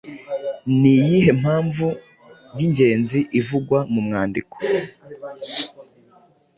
Ni iyihe mpamvu y’ingenzi ivugwa mu mwandiko